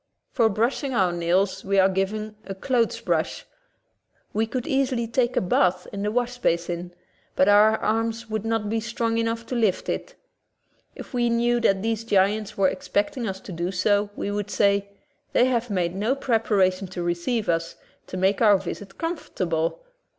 For brushing our nails we are given a clothes brush. We could easily take a bath in the wash basin, but our arms would not be strong enough to lift it. If we knew that these giants were expecting us to do so, we would say : "They have made no prepara tion to receive us, to make our visit comfort able."